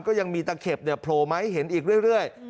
ก็ยังมีตะเข็บโผล่มาให้เห็นอีกเรื่อย